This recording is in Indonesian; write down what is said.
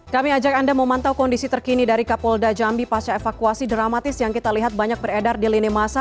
kami ajak anda memantau kondisi terkini dari kapolda jambi pasca evakuasi dramatis yang kita lihat banyak beredar di lini masa